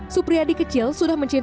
supriyadi kecil sudah mencintai